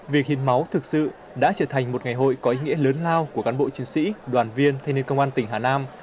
việc hiến máu thực sự đã trở thành một ngày hội có ý nghĩa lớn lao của cán bộ chiến sĩ đoàn viên thanh niên công an tỉnh hà nam